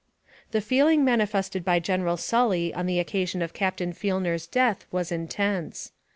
The feeling manifested by General Sully on the occasion of Captain Fielner's death was intense.